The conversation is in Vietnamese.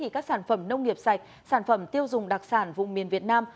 các sản phẩm nông nghiệp sạch sản phẩm tiêu dùng đặc sản vùng miền việt nam